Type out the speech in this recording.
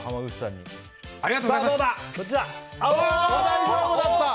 大丈夫だった！